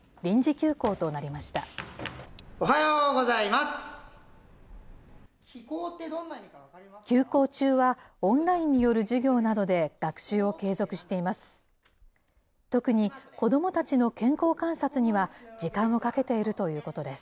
休校中はオンラインによる授業などで学習を継続しています。